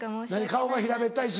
顔が平べったいし？